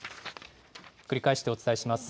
繰り返してお伝えします。